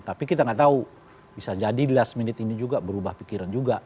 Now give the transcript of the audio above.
tapi kita nggak tahu bisa jadi last minute ini juga berubah pikiran juga